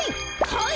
はい！